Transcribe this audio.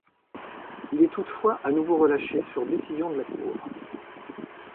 Il est toutefois à nouveau relâché sur décision de la Cour.